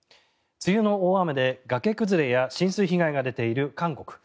梅雨の大雨で、崖崩れや浸水被害が出ている韓国。